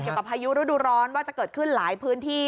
เกือบกับพายุรูดูร้อนว่าจะเกิดขึ้นหลายพื้นที่